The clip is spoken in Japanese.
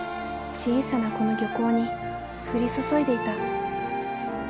小さなこの漁港に降り注いでいた。